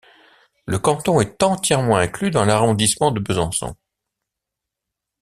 Le canton est entièrement inclus dans l'arrondissement de Besançon.